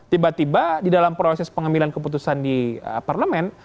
tiba tiba di dalam proses pengambilan keputusan di parlemen